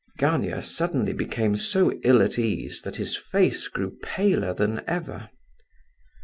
Gania suddenly became so ill at ease that his face grew paler than ever.